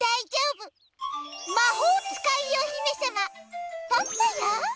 まほうつかいおひめさまポッポよ！